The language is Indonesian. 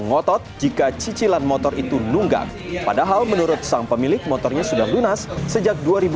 ngotot jika cicilan motor itu nunggak padahal menurut sang pemilik motornya sudah lunas sejak